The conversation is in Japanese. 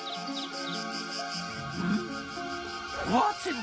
ん？